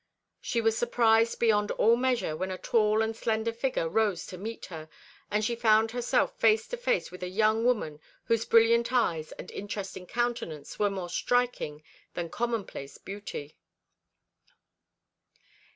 She was surprised beyond all measure when a tall and slender figure rose to meet her, and she found herself face to face with a young woman whose brilliant eyes and interesting countenance were more striking than commonplace beauty.